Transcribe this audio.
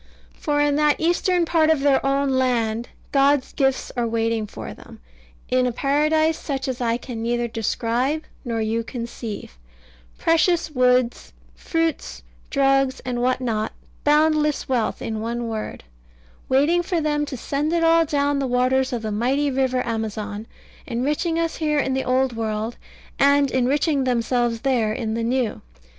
For in that eastern part of their own land God's gifts are waiting for them, in a paradise such as I can neither describe nor you conceive; precious woods, fruits, drugs, and what not boundless wealth, in one word waiting for them to send it all down the waters of the mighty river Amazon, enriching us here in the Old World, and enriching themselves there in the New.